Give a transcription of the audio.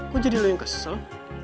kok jadi lo yang kesel